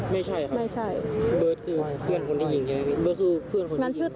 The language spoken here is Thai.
ไม่ใช่ครับเบิ้ดคือเพื่อนเดียว